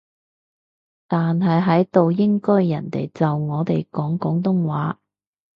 但係喺度應該人哋就我哋講廣東話